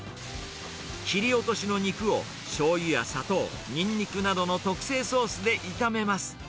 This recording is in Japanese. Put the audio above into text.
切り落としの肉をしょうゆや砂糖、ニンニクなどの特製ソースで炒めます。